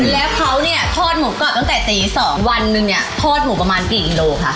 แล้วเขาเนี่ยทอดหมูกรอบตั้งแต่ตี๒วันนึงเนี่ยทอดหมูประมาณกี่กิโลค่ะ